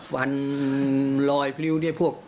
วันลอยพริ้วเนี่ยพวก